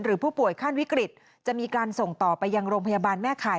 ผู้ป่วยขั้นวิกฤตจะมีการส่งต่อไปยังโรงพยาบาลแม่ข่าย